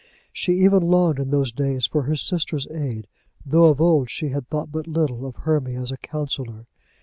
She even longed in these days for her sister's aid, though of old she had thought but little of Hermy as a counsellor.